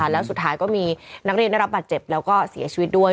แล้วสุดท้ายก็มีนักเรียนได้รับบาดเจ็บแล้วก็เสียชีวิตด้วย